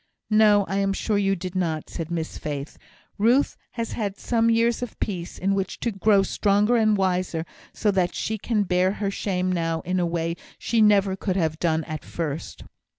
"No! I am sure you did not," said Miss Faith. "Ruth has had some years of peace, in which to grow stronger and wiser, so that she can bear her shame now in a way she never could have done at first."